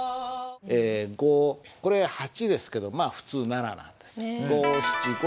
え５これ８ですけどまあ普通７なんです。